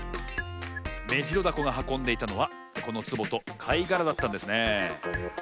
メジロダコがはこんでいたのはこのつぼとかいがらだったんですねえ。